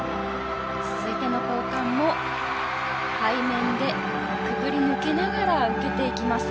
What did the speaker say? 続いての交換も背面でくぐり抜けながら受けていきます。